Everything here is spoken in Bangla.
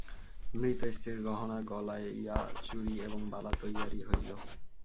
মৃত স্ত্রীর গহনা গলাইয়া চুড়ি এবং বালা তৈয়ারি হইল।